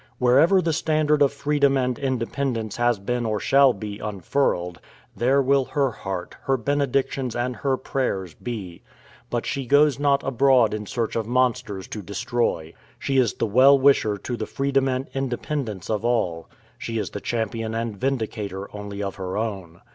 Wherever the standard of freedom and independence has been or shall be unfurled, there will her heart, her benedictions, and her prayers be. But she goes not abroad in search of monsters to destroy. She is the well wisher to the freedom and independence of all. She is the champion and vindicator only of her own.